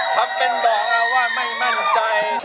แบบนี้ยังมีรักษาไม่มั่นใจ